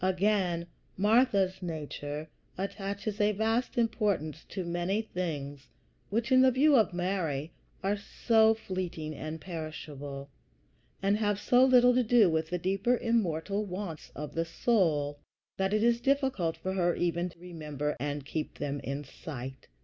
Again, Martha's nature attaches a vast importance to many things which, in the view of Mary, are so fleeting and perishable, and have so little to do with the deeper immortal wants of the soul, that it is difficult for her even to remember and keep them in sight.